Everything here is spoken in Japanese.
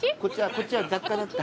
こっちは雑貨だった。